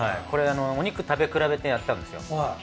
これお肉食べ比べてやったんですよ。